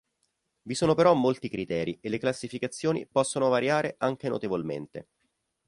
Vi sono però molti criteri e le classificazioni possono variare anche notevolmente.